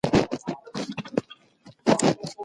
د هورمونونو کچه د مزاج پر حالت اغېزه لري.